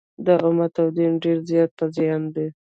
د امت او دین ډېر زیات په زیان دي.